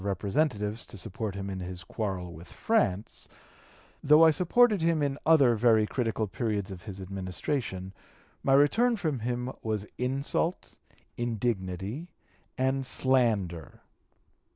240) Representatives to support him in his quarrel with France; though I supported him in other very critical periods of his Administration, my return from him was insult, indignity, and slander."